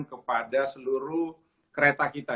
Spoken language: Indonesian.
kepada seluruh kereta kita